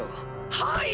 はい！